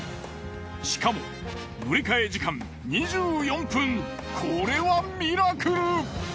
しかも乗り換え時間２４分これはミラクル。